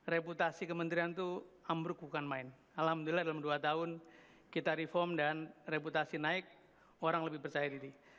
reputasi kementerian itu ambruk bukan main alhamdulillah dalam dua tahun kita reform dan reputasi naik orang lebih percaya diri